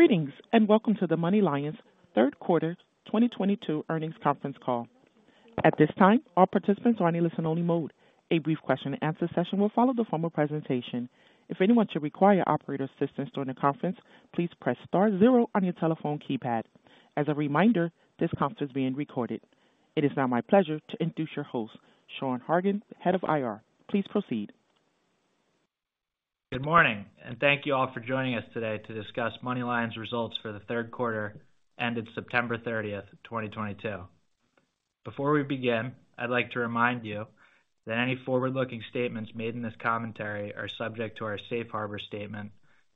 Greetings, and welcome to MoneyLion's Q3 2022 Earnings Conference Call. At this time, all participants are in a listen-only mode. A brief question-and-answer session will follow the formal presentation. If anyone should require operator assistance during the conference, please press star zero on your telephone keypad. As a reminder, this conference is being recorded. It is now my pleasure to introduce your host, Sean Horgan, head of IR. Please proceed. Good morning, and thank you all for joining us today to discuss MoneyLion's results for the Q3 ended September 30, 2022. Before we begin, I'd like to remind you that any forward-looking statements made in this commentary are subject to our safe harbor statement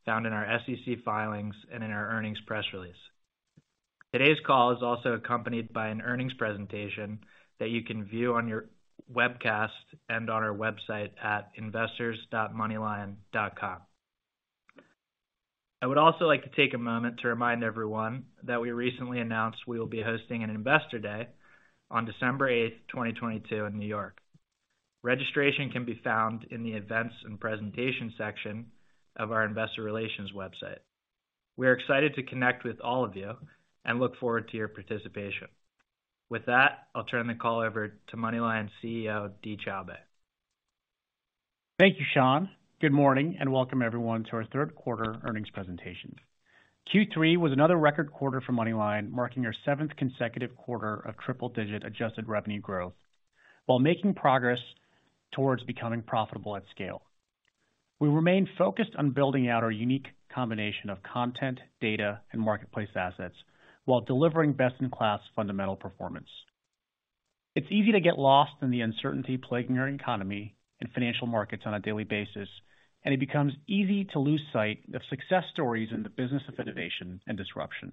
found in our SEC filings and in our earnings press release. Today's call is also accompanied by an earnings presentation that you can view on your webcast and on our website at investors.moneylion.com. I would also like to take a moment to remind everyone that we recently announced we will be hosting an investor day on December 8, 2022, in New York. Registration can be found in the events and presentation section of our investor relations website. We are excited to connect with all of you and look forward to your participation. With that, I'll turn the call over to MoneyLion CEO, Dee Choubey. Thank you, Sean. Good morning and welcome everyone to our Q3 earnings presentation. Q3 was another record quarter for MoneyLion, marking our seventh consecutive quarter of triple-digit adjusted revenue growth while making progress towards becoming profitable at scale. We remain focused on building out our unique combination of content, data, and marketplace assets while delivering best-in-class fundamental performance. It's easy to get lost in the uncertainty plaguing our economy and financial markets on a daily basis, and it becomes easy to lose sight of success stories in the business of innovation and disruption.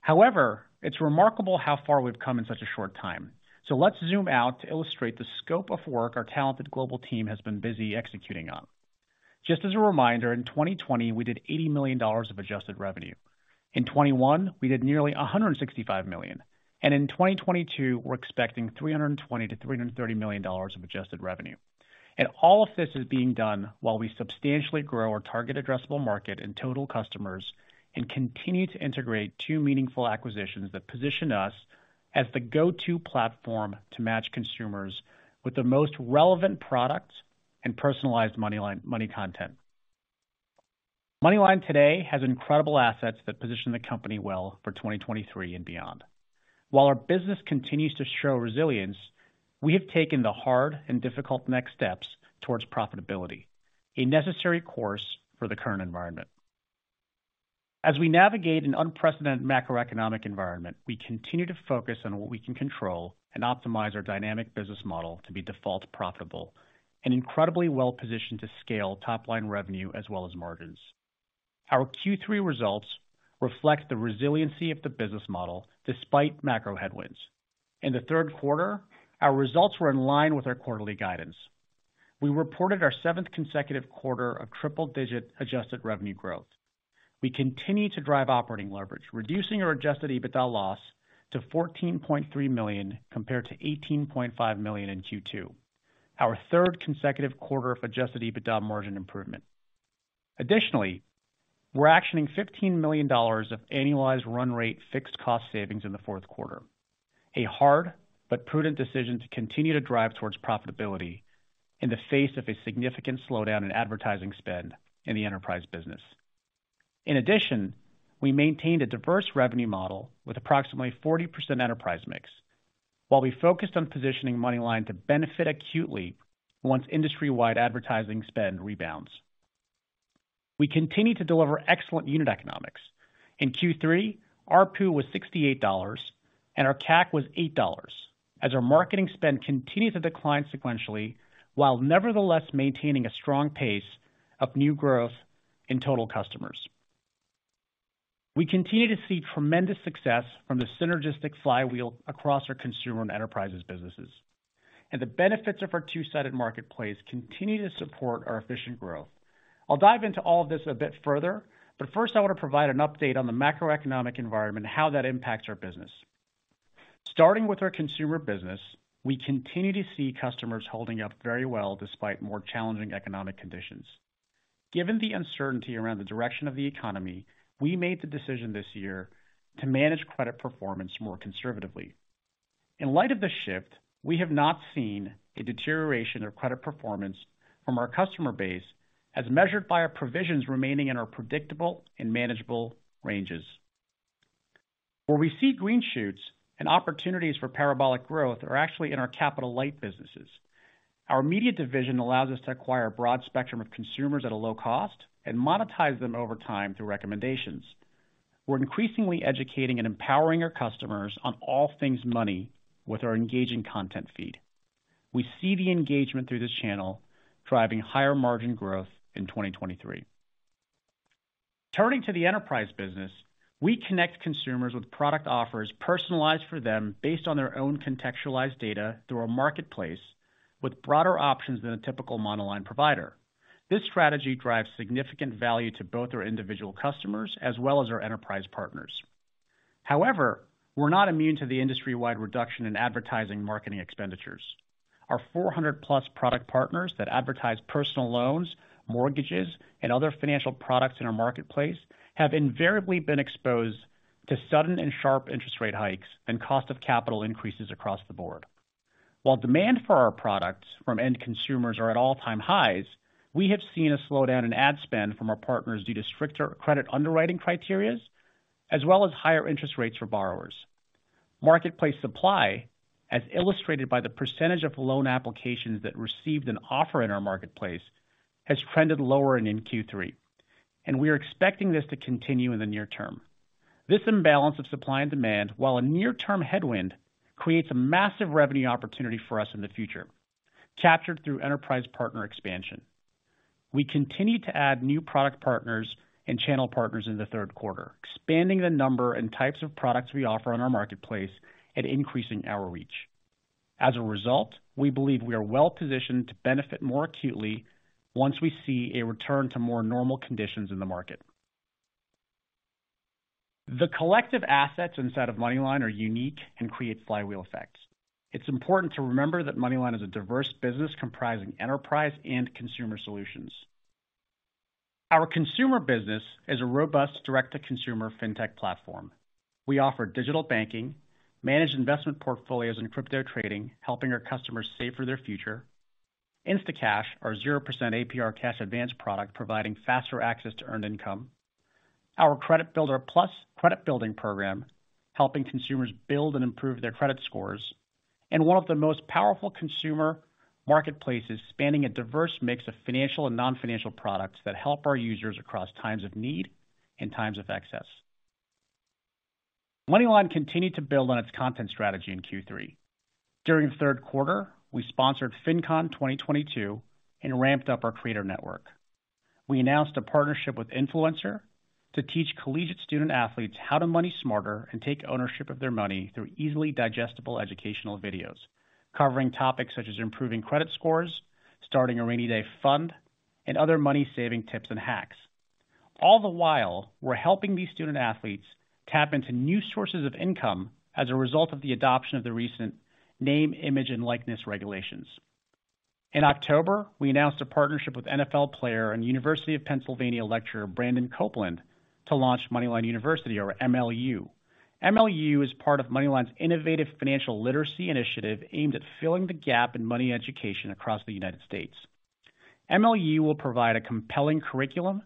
However, it's remarkable how far we've come in such a short time. Let's zoom out to illustrate the scope of work our talented global team has been busy executing on. Just as a reminder, in 2020, we did $80 million of adjusted revenue. In 2021, we did nearly $165 million. In 2022, we're expecting $320 million-$330 million of adjusted revenue. All of this is being done while we substantially grow our target addressable market and total customers and continue to integrate two meaningful acquisitions that position us as the go-to platform to match consumers with the most relevant products and personalized MoneyLion money content. MoneyLion today has incredible assets that position the company well for 2023 and beyond. While our business continues to show resilience, we have taken the hard and difficult next steps towards profitability, a necessary course for the current environment. As we navigate an unprecedented macroeconomic environment, we continue to focus on what we can control and optimize our dynamic business model to be default-profitable and incredibly well-positioned to scale top-line revenue as well as margins. Our Q3 results reflect the resiliency of the business model despite macro headwinds. In the Q3, our results were in line with our quarterly guidance. We reported our seventh consecutive quarter of triple-digit adjusted revenue growth. We continue to drive operating leverage, reducing our adjusted EBITDA loss to $14.3 million compared to $18.5 million in Q2, our third consecutive quarter of adjusted EBITDA margin improvement. Additionally, we're actioning $15 million of annualized run rate fixed cost savings in the Q4, a hard but prudent decision to continue to drive towards profitability in the face of a significant slowdown in advertising spend in the enterprise business. In addition, we maintained a diverse revenue model with approximately 40% enterprise mix while we focused on positioning MoneyLion to benefit acutely once industry-wide advertising spend rebounds. We continue to deliver excellent unit economics. In Q3, ARPU was $68, and our CAC was $8, as our marketing spend continues to decline sequentially, while nevertheless maintaining a strong pace of new growth in total customers. We continue to see tremendous success from the synergistic flywheel across our consumer and enterprises businesses. The benefits of our two-sided marketplace continue to support our efficient growth. I'll dive into all of this a bit further, but first I want to provide an update on the macroeconomic environment and how that impacts our business. Starting with our consumer business, we continue to see customers holding up very well despite more challenging economic conditions. Given the uncertainty around the direction of the economy, we made the decision this year to manage credit performance more conservatively. In light of the shift, we have not seen a deterioration of credit performance from our customer base as measured by our provisions remaining in our predictable and manageable ranges. Where we see green shoots and opportunities for parabolic growth are actually in our capital-light businesses. Our media division allows us to acquire a broad spectrum of consumers at a low cost and monetize them over time through recommendations. We're increasingly educating and empowering our customers on all things money with our engaging content feed. We see the engagement through this channel driving higher margin growth in 2023. Turning to the enterprise business, we connect consumers with product offers personalized for them based on their own contextualized data through our marketplace with broader options than a typical MoneyLion provider. This strategy drives significant value to both our individual customers as well as our enterprise partners. However, we're not immune to the industry-wide reduction in advertising marketing expenditures. Our 400+ product partners that advertise personal loans, mortgages, and other financial products in our marketplace have invariably been exposed to sudden and sharp interest rate hikes and cost of capital increases across the board. While demand for our products from end consumers are at all-time highs, we have seen a slowdown in ad spend from our partners due to stricter credit underwriting criteria, as well as higher interest rates for borrowers. Marketplace supply, as illustrated by the percentage of loan applications that received an offer in our marketplace, has trended lower and in Q3, and we are expecting this to continue in the near term. This imbalance of supply and demand, while a near-term headwind, creates a massive revenue opportunity for us in the future, captured through enterprise partner expansion. We continued to add new product partners and channel partners in the Q3, expanding the number and types of products we offer on our marketplace and increasing our reach. As a result, we believe we are well-positioned to benefit more acutely once we see a return to more normal conditions in the market. The collective assets inside of MoneyLion are unique and create flywheel effects. It's important to remember that MoneyLion is a diverse business comprising enterprise and consumer solutions. Our consumer business is a robust direct-to-consumer fintech platform. We offer digital banking, managed investment portfolios and crypto trading, helping our customers save for their future. Instacash, our 0% APR cash advance product, providing faster access to earned income. Our Credit Builder Plus credit building program, helping consumers build and improve their credit scores. One of the most powerful consumer marketplaces, spanning a diverse mix of financial and non-financial products that help our users across times of need and times of excess. MoneyLion continued to build on its content strategy in Q3. During the Q3, we sponsored FinCon 2022 and ramped up our creator network. We announced a partnership with INFLCR to teach collegiate student-athletes how to money smarter and take ownership of their money through easily digestible educational videos, covering topics such as improving credit scores, starting a rainy day fund, and other money-saving tips and hacks. All the while, we're helping these student-athletes tap into new sources of income as a result of the adoption of the recent Name, Image and Likeness regulations. In October, we announced a partnership with NFL player and University of Pennsylvania lecturer Brandon Copeland to launch MoneyLion University or MLU. MLU is part of MoneyLion's innovative financial literacy initiative aimed at filling the gap in money education across the United States. MLU will provide a compelling curriculum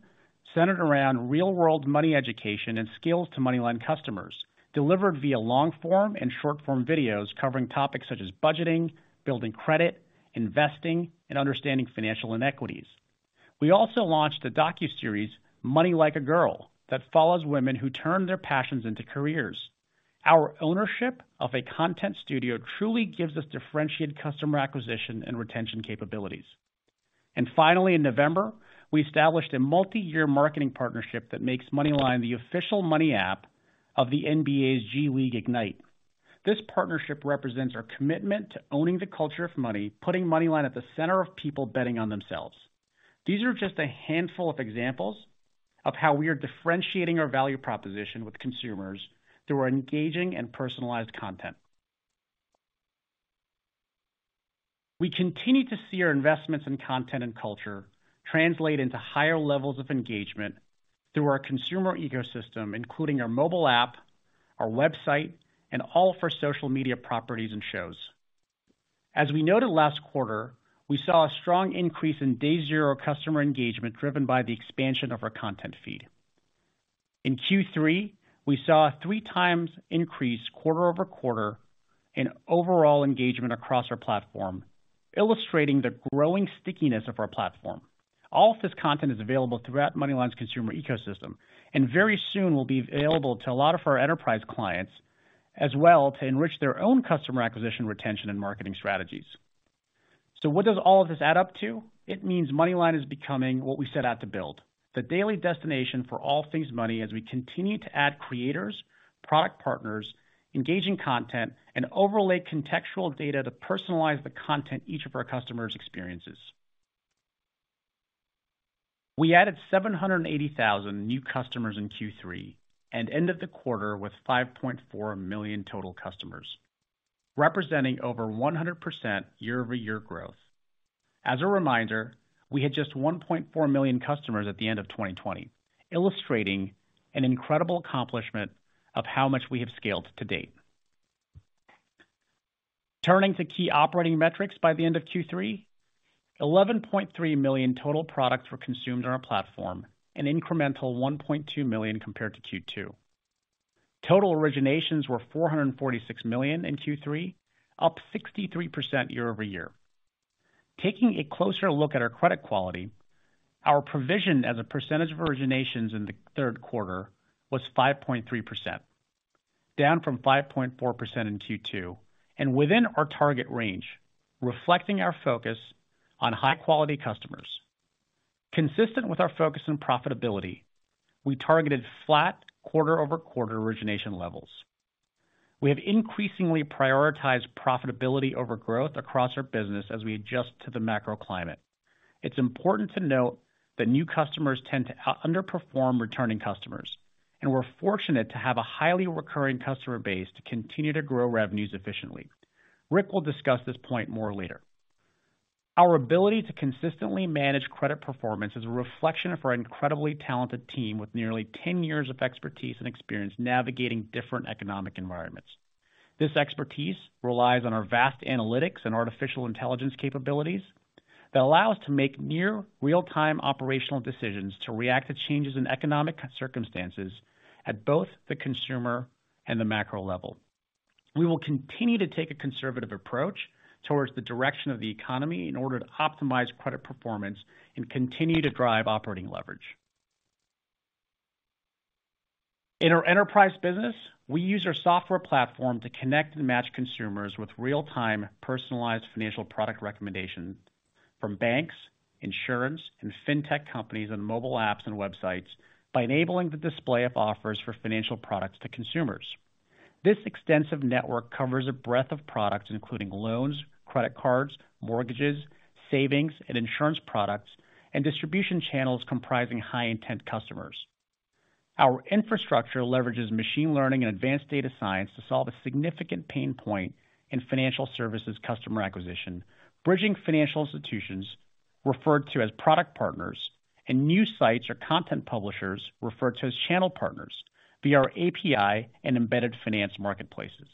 centered around real-world money education and skills to MoneyLion customers, delivered via long-form and short-form videos covering topics such as budgeting, building credit, investing, and understanding financial inequities. We also launched the docuseries Money Like a Girl that follows women who turn their passions into careers. Our ownership of a content studio truly gives us differentiated customer acquisition and retention capabilities. Finally, in November, we established a multi-year marketing partnership that makes MoneyLion the official money app of the NBA G League Ignite. This partnership represents our commitment to owning the culture of money, putting MoneyLion at the center of people betting on themselves. These are just a handful of examples of how we are differentiating our value proposition with consumers through our engaging and personalized content. We continue to see our investments in content and culture translate into higher levels of engagement through our consumer ecosystem, including our mobile app, our website, and all of our social media properties and shows. As we noted last quarter, we saw a strong increase in day zero customer engagement driven by the expansion of our content feed. In Q3, we saw a three times increase quarter-over-quarter in overall engagement across our platform, illustrating the growing stickiness of our platform. All of this content is available throughout MoneyLion's consumer ecosystem, and very soon will be available to a lot of our enterprise clients as well to enrich their own customer acquisition, retention, and marketing strategies. What does all of this add up to? It means MoneyLion is becoming what we set out to build, the daily destination for all things money as we continue to add creators, product partners, engaging content, and overlay contextual data to personalize the content each of our customers experiences. We added 780,000 new customers in Q3 and ended the quarter with 5.4 million total customers, representing over 100% year-over-year growth. As a reminder, we had just 1.4 million customers at the end of 2020, illustrating an incredible accomplishment of how much we have scaled to date. Turning to key operating metrics by the end of Q3, 11.3 million total products were consumed on our platform, an incremental 1.2 million compared to Q2. Total originations were $446 million in Q3, up 63% year-over-year. Taking a closer look at our credit quality, our provision as a percentage of originations in the Q3 was 5.3%, down from 5.4% in Q2, and within our target range, reflecting our focus on high-quality customers. Consistent with our focus on profitability, we targeted flat quarter-over-quarter origination levels. We have increasingly prioritized profitability over growth across our business as we adjust to the macro climate. It's important to note that new customers tend to underperform returning customers, and we're fortunate to have a highly recurring customer base to continue to grow revenues efficiently. Rick will discuss this point more later. Our ability to consistently manage credit performance is a reflection of our incredibly talented team with nearly 10 years of expertise and experience navigating different economic environments. This expertise relies on our vast analytics and artificial intelligence capabilities that allow us to make near real-time operational decisions to react to changes in economic circumstances at both the consumer and the macro level. We will continue to take a conservative approach towards the direction of the economy in order to optimize credit performance and continue to drive operating leverage. In our enterprise business, we use our software platform to connect and match consumers with real-time personalized financial product recommendations from banks, insurance, and fintech companies on mobile apps and websites by enabling the display of offers for financial products to consumers. This extensive network covers a breadth of products including loans, credit cards, mortgages, savings, and insurance products, and distribution channels comprising high-intent customers. Our infrastructure leverages machine learning and advanced data science to solve a significant pain point in financial services customer acquisition, bridging financial institutions referred to as product partners and new sites or content publishers referred to as channel partners via our API and embedded finance marketplaces.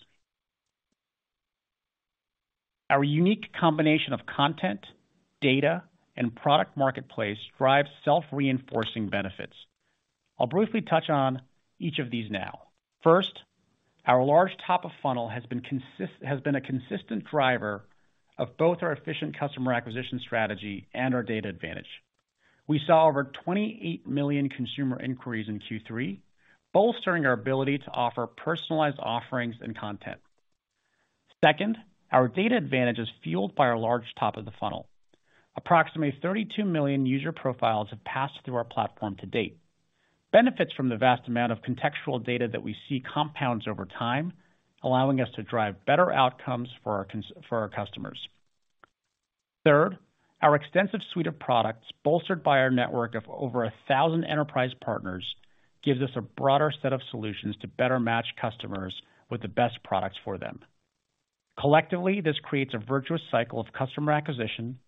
Our unique combination of content, data, and product marketplace drives self-reinforcing benefits. I'll briefly touch on each of these now. First, our large top of funnel has been a consistent driver of both our efficient customer acquisition strategy and our data advantage. We saw over 28 million consumer inquiries in Q3 bolstering our ability to offer personalized offerings and content. Second, our data advantage is fueled by our large top of the funnel. Approximately 32 million user profiles have passed through our platform to date. Benefits from the vast amount of contextual data that we see compounds over time, allowing us to drive better outcomes for our customers. Third, our extensive suite of products bolstered by our network of over 1,000 enterprise partners gives us a broader set of solutions to better match customers with the best products for them. Collectively, this creates a virtuous cycle of customer acquisition,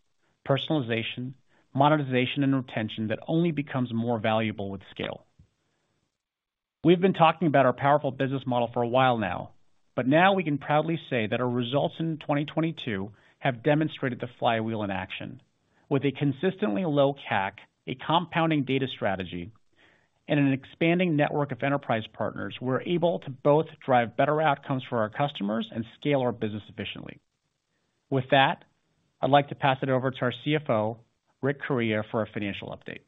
personalization, monetization, and retention that only becomes more valuable with scale. We've been talking about our powerful business model for a while now, but now we can proudly say that our results in 2022 have demonstrated the flywheel in action. With a consistently low CAC, a compounding data strategy, and an expanding network of enterprise partners, we're able to both drive better outcomes for our customers and scale our business efficiently. With that, I'd like to pass it over to our CFO, Rick Correia, for a financial update.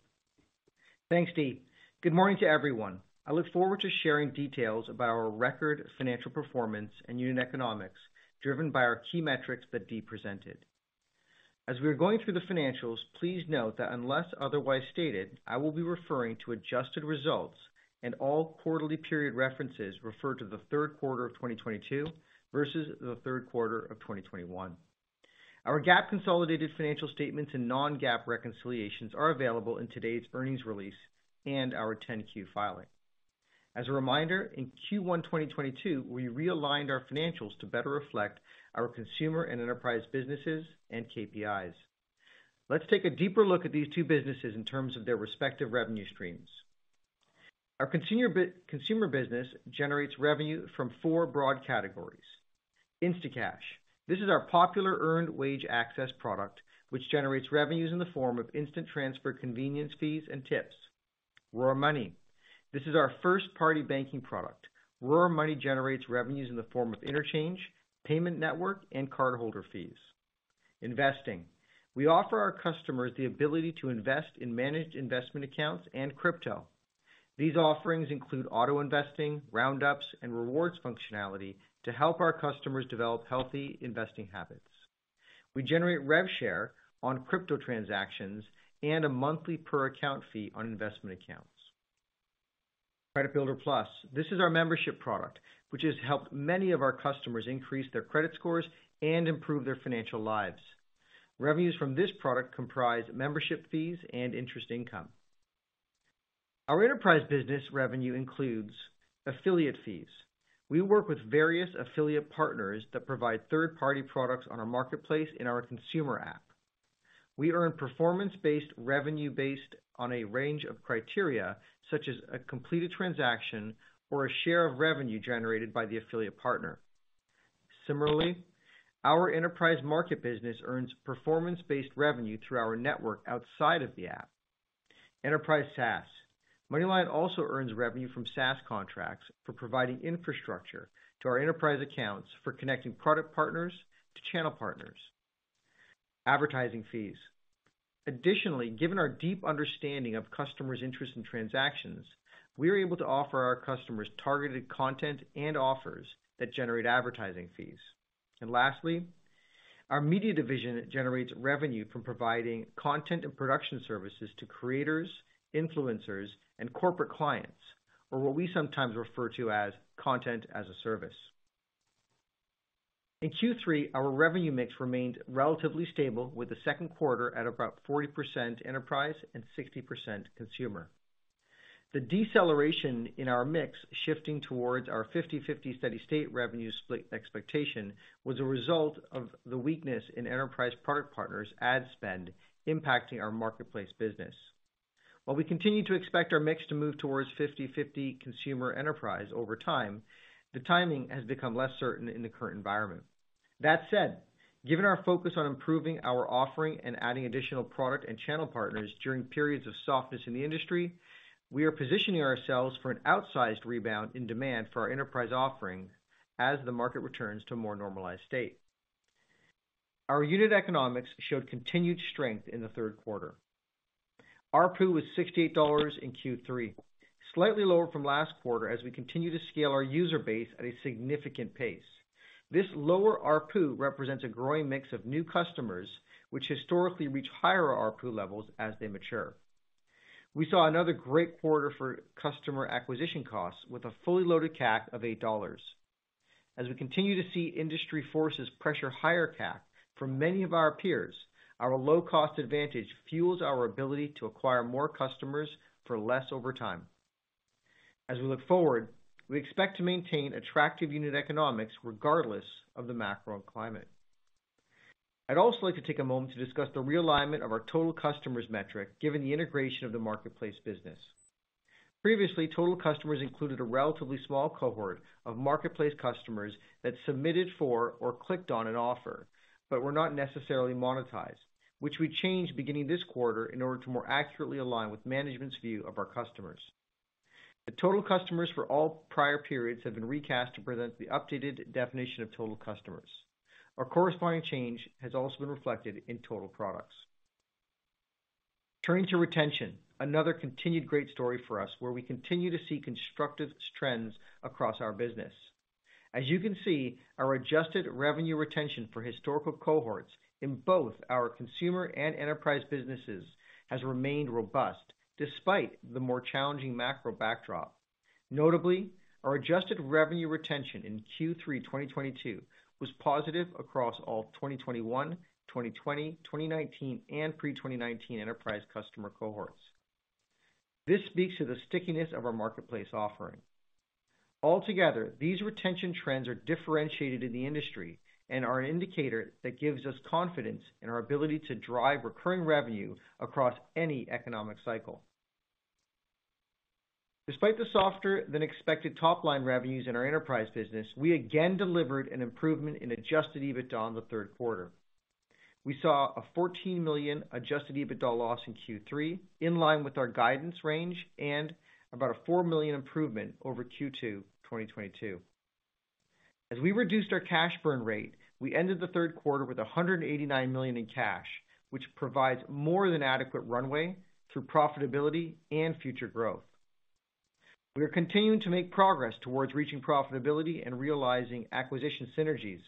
Thanks, Dee. Good morning to everyone. I look forward to sharing details about our record financial performance and unit economics driven by our key metrics that Dee presented. As we are going through the financials, please note that unless otherwise stated, I will be referring to adjusted results and all quarterly period references refer to the Q3 of 2022 versus the Q3 of 2021. Our GAAP consolidated financial statements and non-GAAP reconciliations are available in today's earnings release and our 10-Q filing. As a reminder, in Q1 2022, we realigned our financials to better reflect our consumer and enterprise businesses and KPIs. Let's take a deeper look at these two businesses in terms of their respective revenue streams. Our consumer business generates revenue from four broad categories. Instacash. This is our popular earned wage access product, which generates revenues in the form of instant transfer convenience fees and tips. RoarMoney. This is our first-party banking product. RoarMoney generates revenues in the form of interchange, payment network, and cardholder fees. Investing. We offer our customers the ability to invest in managed investment accounts and crypto. These offerings include auto-investing, roundups, and rewards functionality to help our customers develop healthy investing habits. We generate rev share on crypto transactions and a monthly per account fee on investment accounts. Credit Builder Plus. This is our membership product, which has helped many of our customers increase their credit scores and improve their financial lives. Revenues from this product comprise membership fees and interest income. Our enterprise business revenue includes affiliate fees. We work with various affiliate partners that provide third-party products on our marketplace in our consumer app. We earn performance-based revenue based on a range of criteria, such as a completed transaction or a share of revenue generated by the affiliate partner. Similarly, our enterprise market business earns performance-based revenue through our network outside of the app. Enterprise SaaS. MoneyLion also earns revenue from SaaS contracts for providing infrastructure to our enterprise accounts for connecting product partners to channel partners. Advertising fees. Additionally, given our deep understanding of customers' interest in transactions, we are able to offer our customers targeted content and offers that generate advertising fees. Lastly, our media division generates revenue from providing content and production services to creators, influencers, and corporate clients, or what we sometimes refer to as content as a service. In Q3, our revenue mix remained relatively stable with the Q2 at about 40% enterprise and 60% consumer. The deceleration in our mix shifting towards our 50/50 steady state revenue split expectation was a result of the weakness in enterprise product partners ad spend impacting our marketplace business. While we continue to expect our mix to move towards 50/50 consumer enterprise over time, the timing has become less certain in the current environment. That said, given our focus on improving our offering and adding additional product and channel partners during periods of softness in the industry, we are positioning ourselves for an outsized rebound in demand for our enterprise offering as the market returns to a more normalized state. Our unit economics showed continued strength in the Q3. ARPU was $68 in Q3, slightly lower from last quarter as we continue to scale our user base at a significant pace. This lower ARPU represents a growing mix of new customers, which historically reach higher ARPU levels as they mature. We saw another great quarter for customer acquisition costs with a fully loaded CAC of $8. As we continue to see industry forces pressure higher CAC from many of our peers, our low-cost advantage fuels our ability to acquire more customers for less over time. As we look forward, we expect to maintain attractive unit economics regardless of the macro climate. I'd also like to take a moment to discuss the realignment of our total customers metric, given the integration of the marketplace business. Previously, total customers included a relatively small cohort of marketplace customers that submitted for or clicked on an offer, but were not necessarily monetized, which we changed beginning this quarter in order to more accurately align with management's view of our customers. The total customers for all prior periods have been recast to present the updated definition of total customers. A corresponding change has also been reflected in total products. Turning to retention, another continued great story for us where we continue to see constructive trends across our business. As you can see, our adjusted revenue retention for historical cohorts in both our consumer and enterprise businesses has remained robust despite the more challenging macro backdrop. Notably, our adjusted revenue retention in Q3 2022 was positive across all 2021, 2020, 2019, and pre-2019 enterprise customer cohorts. This speaks to the stickiness of our marketplace offering. Altogether, these retention trends are differentiated in the industry and are an indicator that gives us confidence in our ability to drive recurring revenue across any economic cycle. Despite the softer than expected top-line revenues in our enterprise business, we again delivered an improvement in adjusted EBITDA in the Q3. We saw a $14 million adjusted EBITDA loss in Q3, in line with our guidance range and about a $4 million improvement over Q2 2022. As we reduced our cash burn rate, we ended the Q3 with $189 million in cash, which provides more than adequate runway through profitability and future growth. We are continuing to make progress towards reaching profitability and realizing acquisition synergies.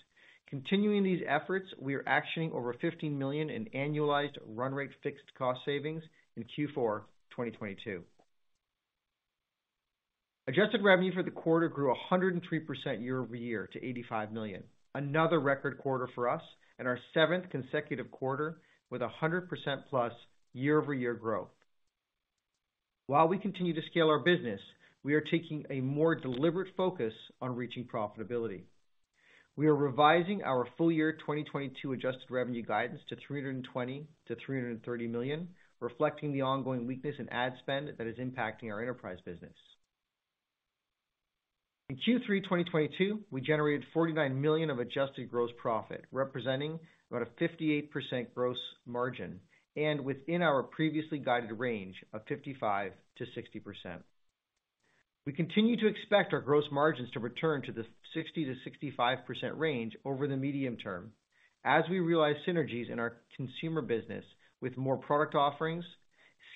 Continuing these efforts, we are actioning over $15 million in annualized run rate fixed cost savings in Q4 2022. Adjusted revenue for the quarter grew 103% year-over-year to $85 million. Another record quarter for us and our seventh consecutive quarter with 100% plus year-over-year growth. While we continue to scale our business, we are taking a more deliberate focus on reaching profitability. We are revising our full year 2022 adjusted revenue guidance to $320 million-$330 million, reflecting the ongoing weakness in ad spend that is impacting our enterprise business. In Q3 2022, we generated $49 million of adjusted gross profit, representing about a 58% gross margin and within our previously guided range of 55%-60%. We continue to expect our gross margins to return to the 60%-65% range over the medium term as we realize synergies in our consumer business with more product offerings,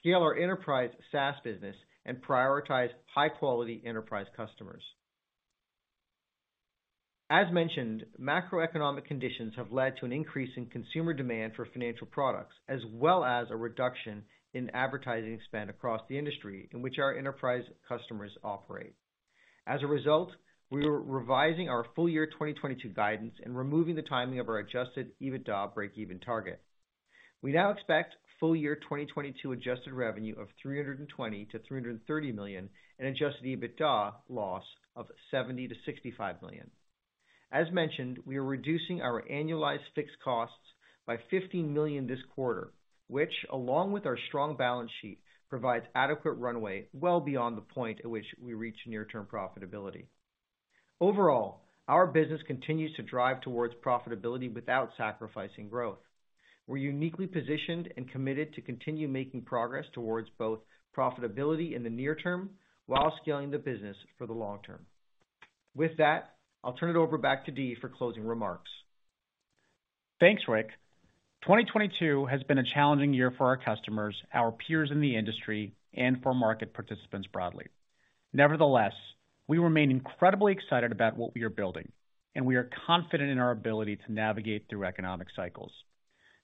scale our enterprise SaaS business, and prioritize high-quality enterprise customers. As mentioned, macroeconomic conditions have led to an increase in consumer demand for financial products, as well as a reduction in advertising spend across the industry in which our enterprise customers operate. As a result, we are revising our full year 2022 guidance and removing the timing of our adjusted EBITDA breakeven target. We now expect full year 2022 adjusted revenue of $300 million-$330 million and adjusted EBITDA loss of $70 million-$65 million. As mentioned, we are reducing our annualized fixed costs by $15 million this quarter, which along with our strong balance sheet, provides adequate runway well beyond the point at which we reach near-term profitability. Overall, our business continues to drive towards profitability without sacrificing growth. We're uniquely positioned and committed to continue making progress towards both profitability in the near term while scaling the business for the long term. With that, I'll turn it over back to Dee for closing remarks. Thanks, Rick. 2022 has been a challenging year for our customers, our peers in the industry, and for market participants broadly. Nevertheless, we remain incredibly excited about what we are building, and we are confident in our ability to navigate through economic cycles.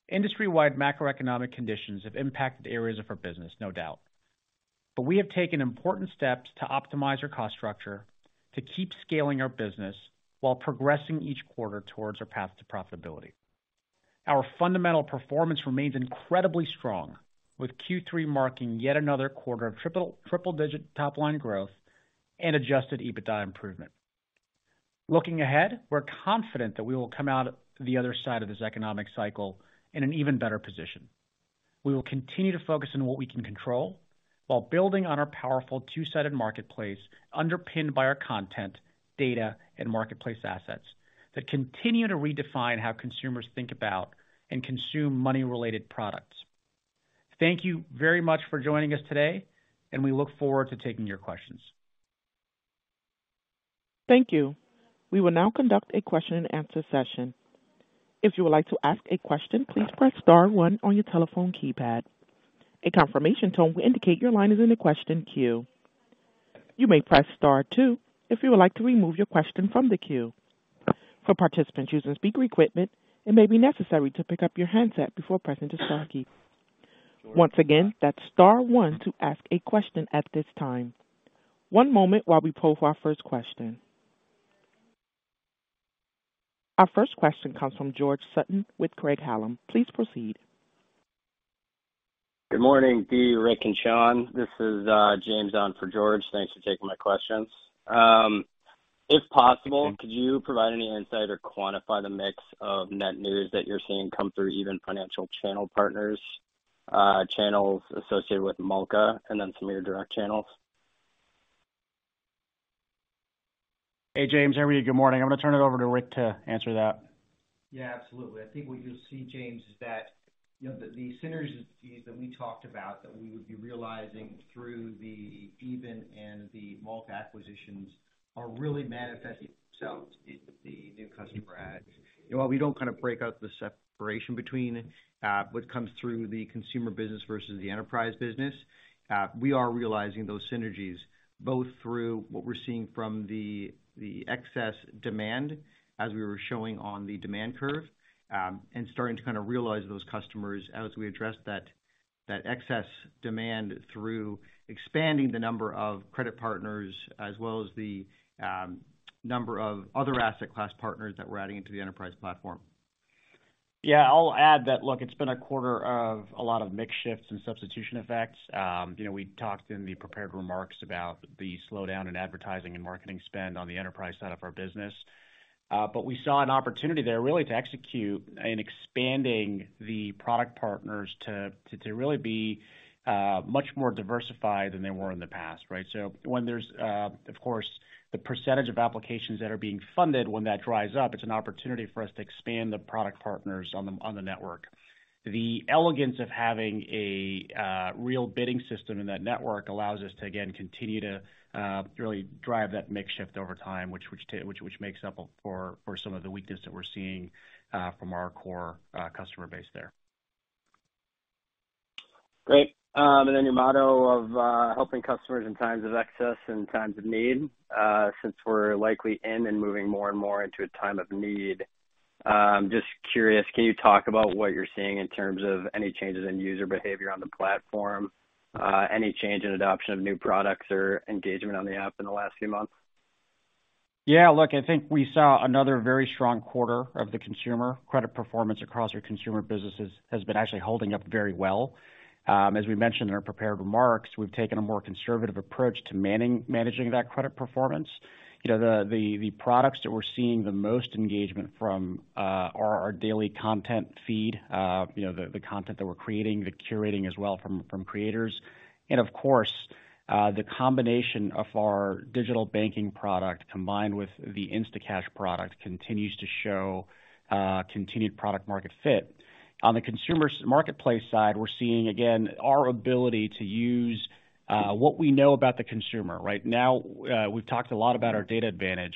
Industry-wide macroeconomic conditions have impacted areas of our business, no doubt. We have taken important steps to optimize our cost structure to keep scaling our business while progressing each quarter towards our path to profitability. Our fundamental performance remains incredibly strong, with Q3 marking yet another quarter of triple-digit top line growth and adjusted EBITDA improvement. Looking ahead, we're confident that we will come out the other side of this economic cycle in an even better position. We will continue to focus on what we can control while building on our powerful two-sided marketplace, underpinned by our content, data, and marketplace assets that continue to redefine how consumers think about and consume money-related products. Thank you very much for joining us today, and we look forward to taking your questions. Thank you. We will now conduct a question and answer session. If you would like to ask a question, please press star one on your telephone keypad. A confirmation tone will indicate your line is in the question queue. You may press star two if you would like to remove your question from the queue. For participants using speaker equipment, it may be necessary to pick up your handset before pressing the star key. Once again, that's star one to ask a question at this time. One moment while we poll for our first question. Our first question comes from George Sutton with Craig-Hallum. Please proceed. Good morning, Dee, Rick, and Sean. This is James on for George. Thanks for taking my questions. If possible, could you provide any insight or quantify the mix of net new that you're seeing come through Even Financial channel partners, channels associated with Malka, and then some of your direct channels? Hey, James. How are you? Good morning. I'm gonna turn it over to Rick to answer that. Yeah, absolutely. I think what you'll see, James, is that, you know, the synergies that we talked about that we would be realizing through the Even and the Malka acquisitions are really manifesting itself in the new customer adds. While we don't kind of break out the separation between what comes through the consumer business versus the enterprise business, we are realizing those synergies both through what we're seeing from the excess demand as we were showing on the demand curve, and starting to kind of realize those customers as we address that excess demand through expanding the number of credit partners as well as the number of other asset class partners that we're adding into the enterprise platform. Yeah, I'll add that. Look, it's been a quarter of a lot of mix shifts and substitution effects. You know, we talked in the prepared remarks about the slowdown in advertising and marketing spend on the enterprise side of our business. We saw an opportunity there really to execute in expanding the product partners to really be much more diversified than they were in the past, right? When there's, of course, the percentage of applications that are being funded when that dries up, it's an opportunity for us to expand the product partners on the network. The elegance of having a real bidding system in that network allows us to, again, continue to really drive that mix shift over time, which makes up for some of the weakness that we're seeing from our core customer base there. Great. Your motto of helping customers in times of excess and times of need, since we're likely in and moving more and more into a time of need, just curious, can you talk about what you're seeing in terms of any changes in user behavior on the platform? Any change in adoption of new products or engagement on the app in the last few months? Yeah, look, I think we saw another very strong quarter of the consumer. Credit performance across our consumer businesses has been actually holding up very well. As we mentioned in our prepared remarks, we've taken a more conservative approach to managing that credit performance. You know, the products that we're seeing the most engagement from are our daily content feed, you know, the content that we're creating, the curating as well from creators. Of course, the combination of our digital banking product combined with the Instacash product continues to show continued product market fit. On the consumer marketplace side, we're seeing, again, our ability to use what we know about the consumer. Right now, we've talked a lot about our data advantage.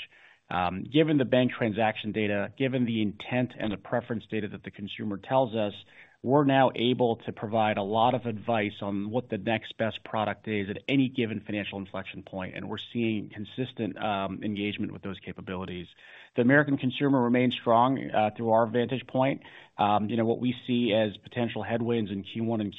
Given the bank transaction data, given the intent and the preference data that the consumer tells us, we're now able to provide a lot of advice on what the next best product is at any given financial inflection point, and we're seeing consistent engagement with those capabilities. The American consumer remains strong through our vantage point. You know, what we see as potential headwinds in Q1 and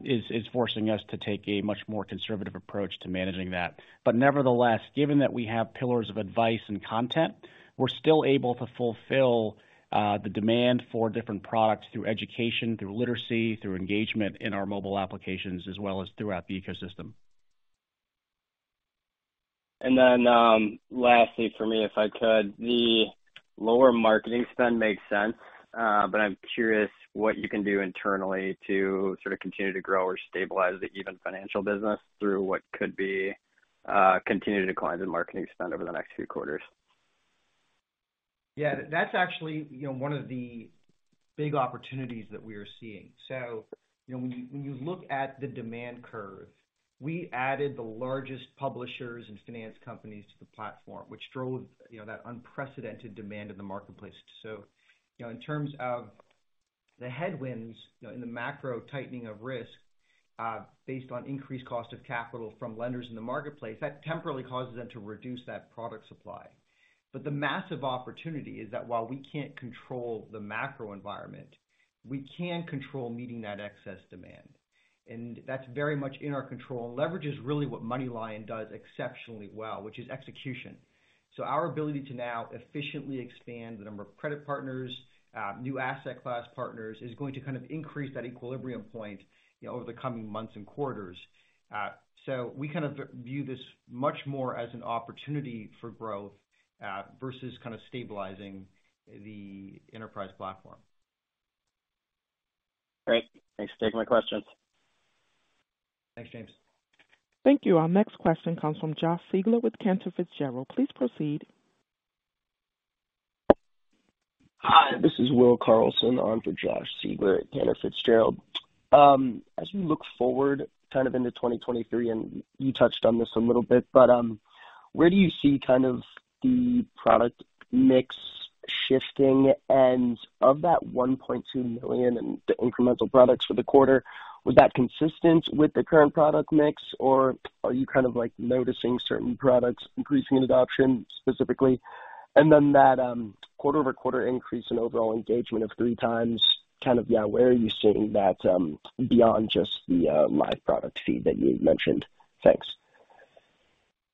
Q2 is forcing us to take a much more conservative approach to managing that. Nevertheless, given that we have pillars of advice and content, we're still able to fulfill the demand for different products through education, through literacy, through engagement in our mobile applications, as well as throughout the ecosystem. Lastly for me, if I could. The lower marketing spend makes sense, but I'm curious what you can do internally to sort of continue to grow or stabilize the Even Financial business through what could be continued declines in marketing spend over the next few quarters. Yeah. That's actually, you know, one of the big opportunities that we are seeing. You know, when you look at the demand curve. We added the largest publishers and finance companies to the platform, which drove, you know, that unprecedented demand in the marketplace. You know, in terms of the headwinds in the macro tightening of risk, based on increased cost of capital from lenders in the marketplace, that temporarily causes them to reduce that product supply. The massive opportunity is that while we can't control the macro environment, we can control meeting that excess demand, and that's very much in our control. Leverage is really what MoneyLion does exceptionally well, which is execution. Our ability to now efficiently expand the number of credit partners, new asset class partners, is going to kind of increase that equilibrium point over the coming months and quarters. We kind of view this much more as an opportunity for growth, versus kind of stabilizing the enterprise platform. Great. Thanks for taking my questions. Thanks, James. Thank you. Our next question comes from Josh Siegler with Cantor Fitzgerald. Please proceed. Hi, this is Will Carlson on for Josh Siegler at Cantor Fitzgerald. As we look forward kind of into 2023, and you touched on this a little bit, but where do you see kind of the product mix shifting? Of that 1.2 million in the incremental products for the quarter, was that consistent with the current product mix, or are you kind of like noticing certain products increasing in adoption specifically? That quarter-over-quarter increase in overall engagement of three times kind of where are you seeing that beyond just the live product feed that you mentioned? Thanks. Yeah.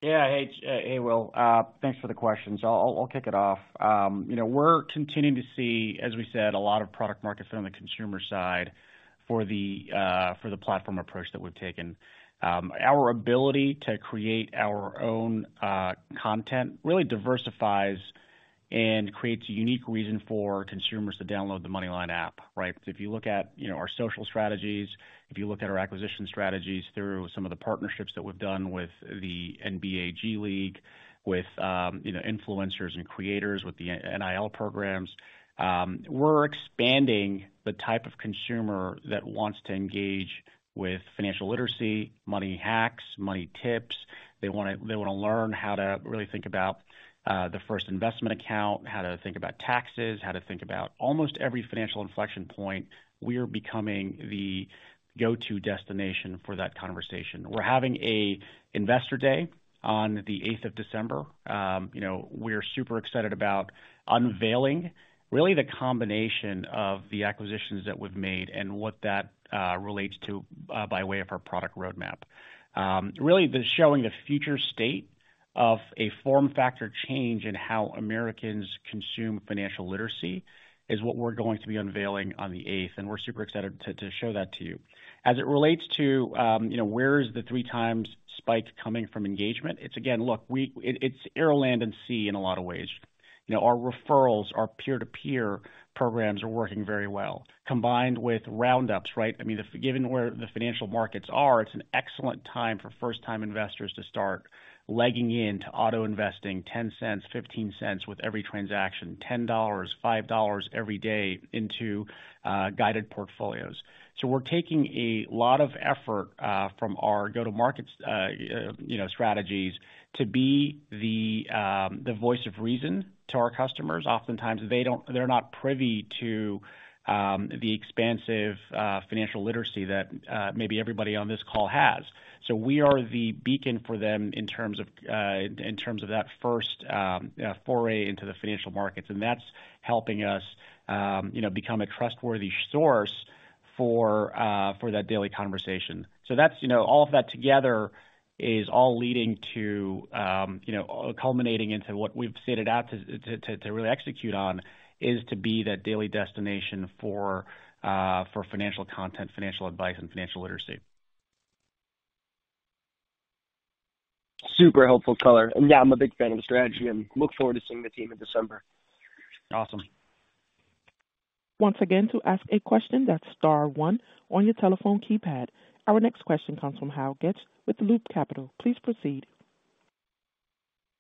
Hey, Will. Thanks for the questions. I'll kick it off. You know, we're continuing to see, as we said, a lot of product markets on the consumer side for the platform approach that we've taken. Our ability to create our own content really diversifies and creates a unique reason for consumers to download the MoneyLion app, right? If you look at, you know, our social strategies, if you look at our acquisition strategies through some of the partnerships that we've done with the NBA G League, with, you know, influencers and creators with the NIL programs, we're expanding the type of consumer that wants to engage with financial literacy, money hacks, money tips. They wanna learn how to really think about the first investment account, how to think about taxes, how to think about almost every financial inflection point. We are becoming the go-to destination for that conversation. We're having a investor day on the eighth of December. You know, we're super excited about unveiling really the combination of the acquisitions that we've made and what that relates to by way of our product roadmap. Really the showing the future state of a form factor change in how Americans consume financial literacy is what we're going to be unveiling on the eighth, and we're super excited to show that to you. As it relates to, you know, where is the 3 times spike coming from engagement? It's again, look, it's air, land, and sea in a lot of ways. You know, our referrals, our peer-to-peer programs are working very well, combined with roundups, right? I mean, if given where the financial markets are, it's an excellent time for first-time investors to start legging in to auto investing 10 cents, 15 cents with every transaction, $10, $5 every day into guided portfolios. We're taking a lot of effort from our go-to-markets, you know, strategies to be the voice of reason to our customers. Oftentimes they're not privy to the expansive financial literacy that maybe everybody on this call has. We are the beacon for them in terms of that first foray into the financial markets, and that's helping us, you know, become a trustworthy source for that daily conversation. That's, you know, all of that together is all leading to, you know, culminating into what we've set it out to really execute on, is to be that daily destination for financial content, financial advice, and financial literacy. Super helpful color. Yeah, I'm a big fan of the strategy and look forward to seeing the team in December. Awesome. Once again, to ask a question, that's star one on your telephone keypad. Our next question comes from Hal Goetsch with Loop Capital. Please proceed.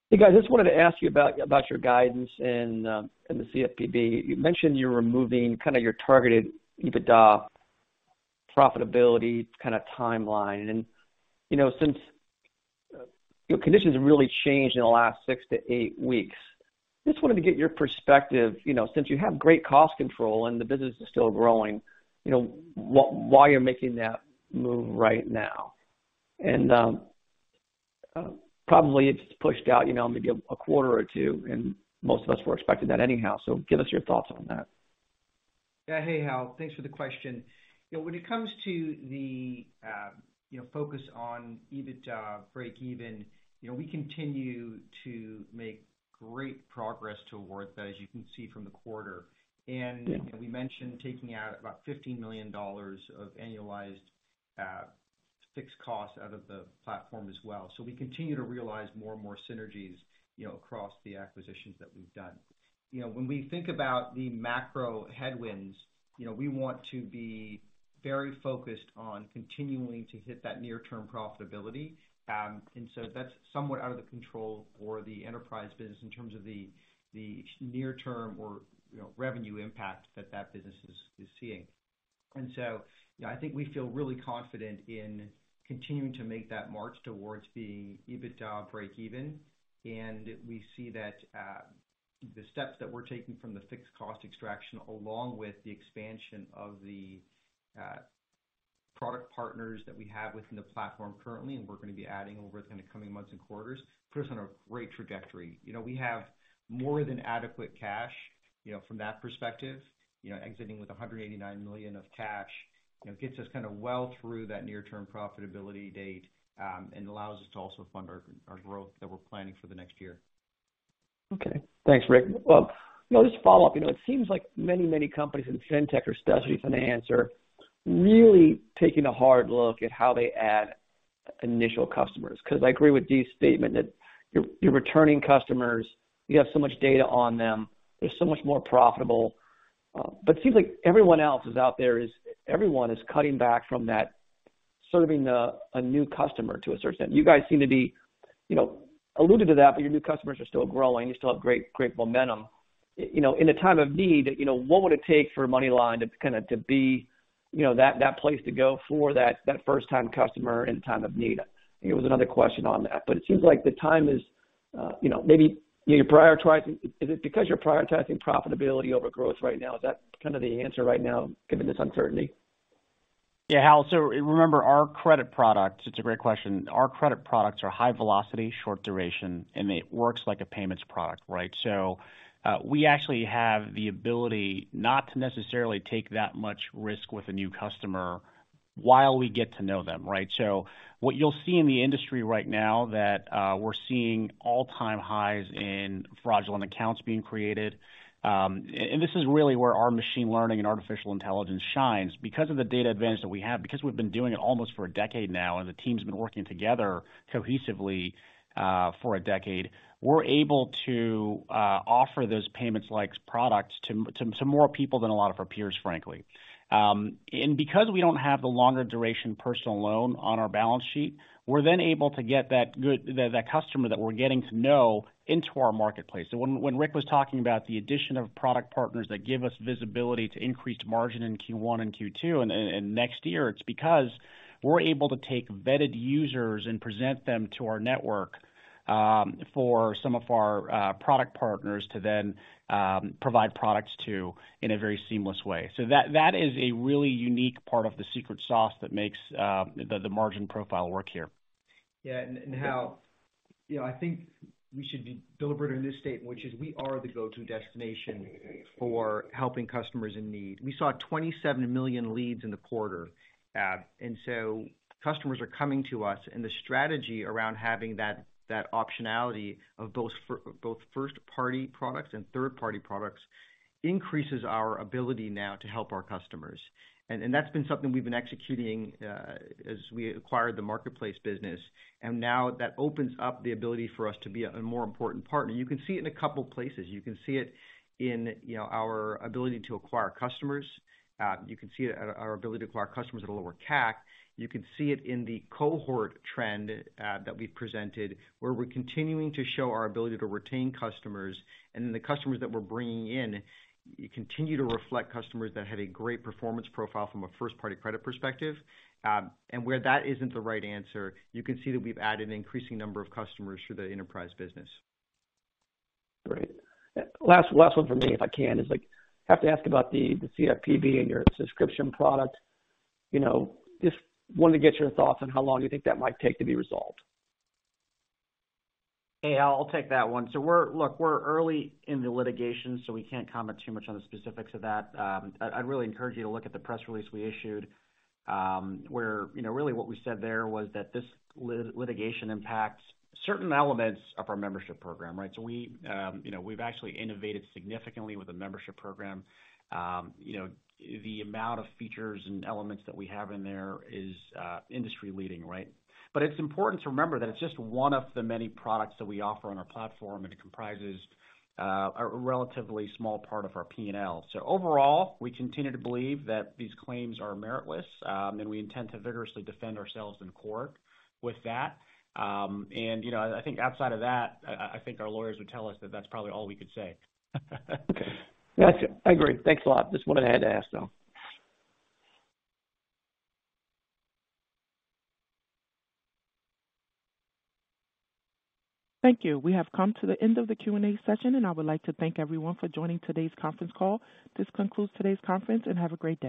Hey, guys. I just wanted to ask you about your guidance and the CFPB. You mentioned you're removing kind of your targeted EBITDA profitability kind of timeline. You know, since conditions have really changed in the last 6 to 8 weeks, just wanted to get your perspective. You know, since you have great cost control and the business is still growing, you know, why you're making that move right now. Probably it's pushed out, you know, maybe a quarter or two, and most of us were expecting that anyhow. Give us your thoughts on that. Yeah. Hey, Hal, thanks for the question. You know, when it comes to the focus on EBITDA breakeven, you know, we continue to make great progress towards that, as you can see from the quarter. We mentioned taking out about $15 million of annualized fixed costs out of the platform as well. We continue to realize more and more synergies, you know, across the acquisitions that we've done. You know, when we think about the macro headwinds, you know, we want to be very focused on continuing to hit that near-term profitability. That's somewhat out of the control for the enterprise business in terms of the near term or, you know, revenue impact that that business is seeing. You know, I think we feel really confident in continuing to make that march towards being EBITDA breakeven. We see that the steps that we're taking from the fixed cost extraction, along with the expansion of the product partners that we have within the platform currently, and we're gonna be adding over in the coming months and quarters, puts us on a great trajectory. You know, we have more than adequate cash, you know, from that perspective. You know, exiting with $189 million of cash, you know, gets us kind of well through that near-term profitability date, and allows us to also fund our growth that we're planning for the next year. Okay. Thanks, Rick. Well, you know, just to follow up. You know, it seems like many, many companies in FinTech or specialty finance are really taking a hard look at how they add initial customers. 'Cause I agree with Dee's statement that your returning customers, you have so much data on them, they're so much more profitable. It seems like everyone else out there is cutting back from that, serving a new customer to a certain extent. You guys seem to be, you know, alluded to that, but your new customers are still growing. You still have great momentum. You know, in a time of need, you know, what would it take for MoneyLion to kind of be, you know, that place to go for that first time customer in time of need? I think it was another question on that. It seems like the time is, you know, maybe you're prioritizing. Is it because you're prioritizing profitability over growth right now? Is that kind of the answer right now given this uncertainty? Yeah, Hal, remember our credit products, it's a great question. Our credit products are high velocity, short duration, and it works like a payments product, right? We actually have the ability not to necessarily take that much risk with a new customer while we get to know them, right? What you'll see in the industry right now that we're seeing all-time highs in fraudulent accounts being created. This is really where our machine learning and artificial intelligence shines. Because of the data advantage that we have, because we've been doing it almost for a decade now, and the team's been working together cohesively for a decade, we're able to offer those payments-like products to more people than a lot of our peers, frankly. Because we don't have the longer duration personal loan on our balance sheet, we're then able to get that good customer that we're getting to know into our marketplace. When Rick was talking about the addition of product partners that give us visibility to increase margin in Q1 and Q2 and next year, it's because we're able to take vetted users and present them to our network, for some of our product partners to then provide products to in a very seamless way. That is a really unique part of the secret sauce that makes the margin profile work here. Yeah. Hal, you know, I think we should be deliberate in this statement, which is we are the go-to destination for helping customers in need. We saw 27 million leads in the quarter. Customers are coming to us, and the strategy around having that optionality of both first-party products and third-party products increases our ability now to help our customers. That's been something we've been executing as we acquired the marketplace business. Now that opens up the ability for us to be a more important partner. You can see it in a couple places. You can see it in, you know, our ability to acquire customers. You can see it at our ability to acquire customers at a lower CAC. You can see it in the cohort trend, that we've presented, where we're continuing to show our ability to retain customers. Then the customers that we're bringing in continue to reflect customers that have a great performance profile from a first-party credit perspective. Where that isn't the right answer, you can see that we've added an increasing number of customers through the enterprise business. Great. Last one from me if I can, is like, I have to ask about the CFPB and your subscription product. You know, just wanted to get your thoughts on how long you think that might take to be resolved. Hey, Hal, I'll take that one. Look, we're early in the litigation, so we can't comment too much on the specifics of that. I'd really encourage you to look at the press release we issued, where you know really what we said there was that this litigation impacts certain elements of our membership program, right? You know we've actually innovated significantly with the membership program. You know, the amount of features and elements that we have in there is industry leading, right? It's important to remember that it's just one of the many products that we offer on our platform, and it comprises a relatively small part of our P&L. Overall, we continue to believe that these claims are meritless, and we intend to vigorously defend ourselves in court with that. You know, I think outside of that, I think our lawyers would tell us that that's probably all we could say. Okay. That's it. I agree. Thanks a lot. I had to ask, though. Thank you. We have come to the end of the Q&A session, and I would like to thank everyone for joining today's conference call. This concludes today's conference, and have a great day.